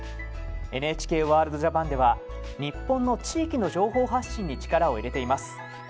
ＮＨＫワールドＪＡＰＡＮでは日本の地域の情報発信に力を入れています。